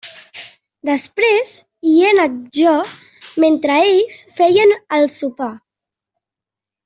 Després hi he anat jo, mentre ells feien el sopar.